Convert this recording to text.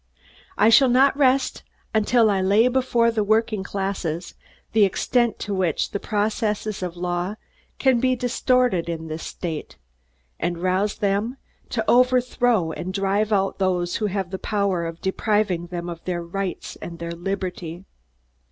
I shall not rest until I lay before the working classes the extent to which the processes of law can be distorted in this state, and rouse them to overthrow and drive out those who have the power of depriving them of their rights and their liberty.